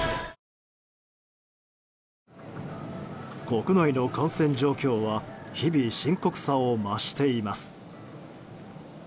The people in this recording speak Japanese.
国内の感染状況は日々、深刻さを増しています。